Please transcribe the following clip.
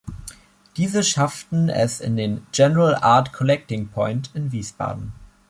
Diese schafften es in den "General Art Collecting Point" in Wiesbaden.